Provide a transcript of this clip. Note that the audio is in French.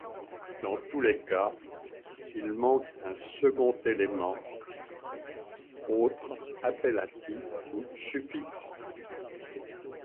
Dans tous les cas, il manque un second élément, autre appellatif ou suffixe.